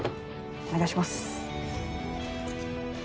お願いします。